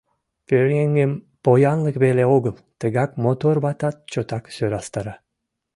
Пӧръеҥым поянлык веле огыл, тыгак мотор ватат чотак сӧрастара.